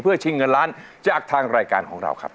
ชิงเงินล้านจากทางรายการของเราครับ